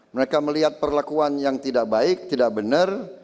mereka melihat perlakuan yang tidak baik tidak benar